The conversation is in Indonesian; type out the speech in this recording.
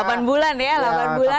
delapan bulan ya delapan bulan